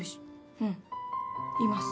うんいます。